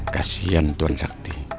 kasian tuan sakti